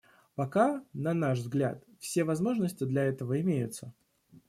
Пока, на наш взгляд, все возможности для этого имеются.